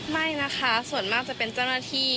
ไม่นะคะส่วนมากจะเป็นเจ้าหน้าที่